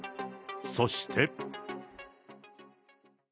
そして。